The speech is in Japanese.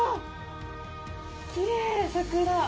きれい、桜。